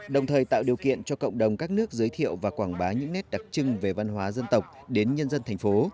đồng thời tạo điều kiện cho cộng đồng các nước giới thiệu và quảng bá những nét đặc trưng về văn hóa dân tộc đến nhân dân thành phố